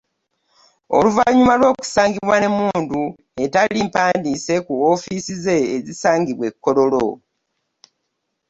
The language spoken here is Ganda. Oluvannyuma lw'okusangibwa n'emmundu etali mpandiise ku woofiisi ze ezisangibwa e Kololo